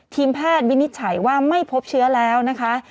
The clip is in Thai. ทีมแพทย์วินิจฉัยว่าไม่พบเชื้อแล้วนะคะ